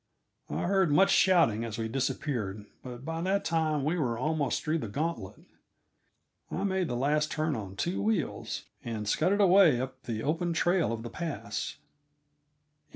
I heard much shouting as we disappeared, but by that time we were almost through the gantlet. I made the last turn on two wheels, and scudded away up the open trail of the pass. CHAPTER XVI.